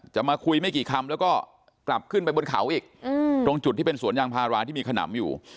มาคุยไม่กี่คำแล้วก็กลับขึ้นไปบนเขาอีกตรงจุดที่เป็นสวนยางพาราที่มีขนำอยู่